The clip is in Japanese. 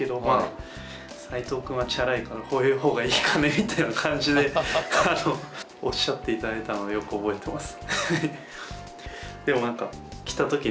みたいな感じでおっしゃっていただいたのをよく覚えてます。